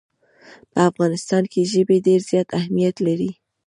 په افغانستان کې ژبې ډېر زیات اهمیت لري.